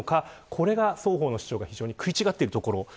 これが双方の主張が非常に食い違っているところです。